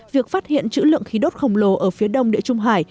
việc phát hiện chữ lượng khí đốt khổng lồ ở phía đông địa trung hải